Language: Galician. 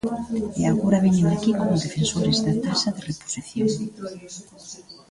E agora veñen aquí como defensores da taxa de reposición.